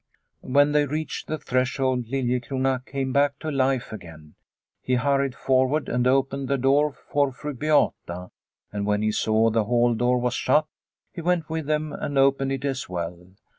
When they reached the threshold Liliecrona came back to life again. He hurried forward The Accusation 235 and opened the door for Fru Beata, and when he saw the hall door was shut he went with them and opened it as well.